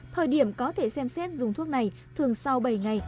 thời điểm có thể xem xét dùng thuốc này thường sau bảy ngày